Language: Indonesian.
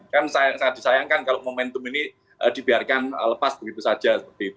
kan sangat disayangkan kalau momentum ini dibiarkan lepas begitu saja